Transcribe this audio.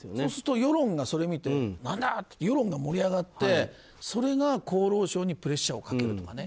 そうすると、世論がそれを見て、何だ！って世論が盛り上がってそれが厚労省にプレッシャーをかける。